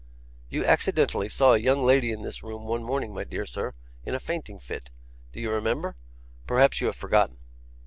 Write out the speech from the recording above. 'You accidentally saw a young lady in this room one morning, my dear sir, in a fainting fit. Do you remember? Perhaps you have forgotten.